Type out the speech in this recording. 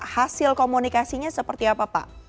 hasil komunikasinya seperti apa pak